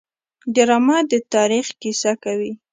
ډرامه د تاریخ کیسه کوي